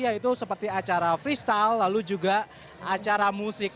yaitu seperti acara freestyle lalu juga acara musik